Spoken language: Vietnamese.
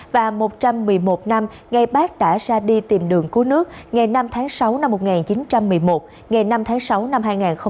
và một trăm một mươi một năm ngày bác đã ra đi tìm đường cứu nước ngày năm tháng sáu năm một nghìn chín trăm một mươi một ngày năm tháng sáu năm hai nghìn hai mươi